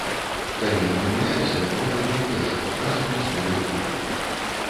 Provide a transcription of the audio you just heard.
Калі не памыляюся, гэта быў першы паказ у гісторыі кліпа.